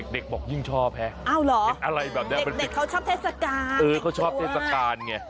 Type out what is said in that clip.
เด็กบอกยิ่งชอบให้